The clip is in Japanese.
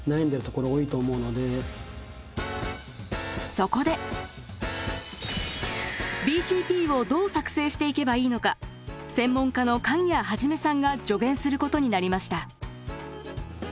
そこでＢＣＰをどう作成していけばいいのか専門家の鍵屋一さんが助言することになりました。